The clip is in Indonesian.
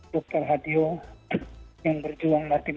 dokter hadio yang berjuang latihan